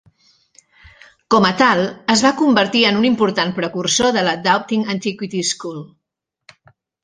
Com a tal, es va convertir en un important precursor de la Doubting Antiquity School.